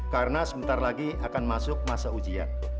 karena sebentar lagi akan masuk masa ujian